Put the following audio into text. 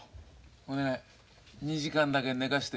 お願い２時間だけ寝かせて。